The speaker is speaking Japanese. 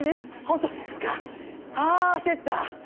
あ焦った。